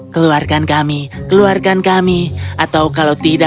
kami akan dibakar